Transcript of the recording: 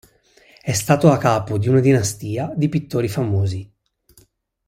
È stato a capo di una dinastia di pittori famosi.